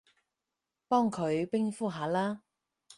幫佢冰敷下啦